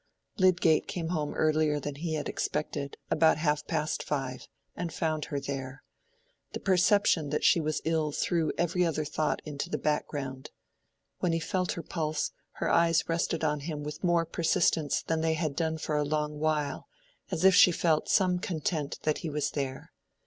Lydgate came home earlier than he had expected, about half past five, and found her there. The perception that she was ill threw every other thought into the background. When he felt her pulse, her eyes rested on him with more persistence than they had done for a long while, as if she felt some content that he was there.